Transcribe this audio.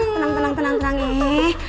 tenang tenang tenang tenang eh